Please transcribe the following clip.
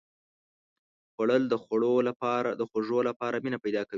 خوړل د خوږو لپاره مینه پیدا کوي